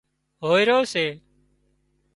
هوئيرو سي